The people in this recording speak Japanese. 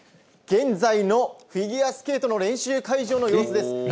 現在のフィギュアスケートの練習会場の様子です。